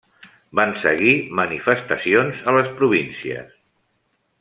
Van seguir manifestacions a les províncies.